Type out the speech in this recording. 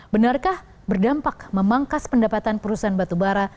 benarkah berdampak memangkas pendapatan perusahaan batubara